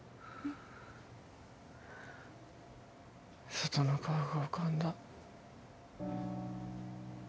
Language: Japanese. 佐都の顔が浮かんだ。